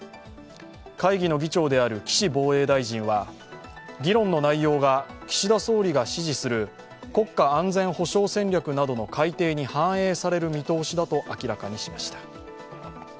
会議の議長である岸防衛大臣は議論の内容が岸田総理が指示する国家安全保障戦略などの改定に反映される見通しだと明らかにしました。